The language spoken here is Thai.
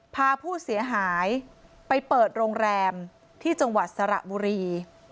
พาผู้เสียหายไปเปิดโรงแรมที่จังหวัดสระบุรี